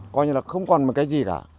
coi như là không còn một cái gì cả